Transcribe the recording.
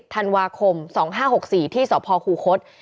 ๑๐ธันวาคม๒๕๖๔ที่สภขู่คลส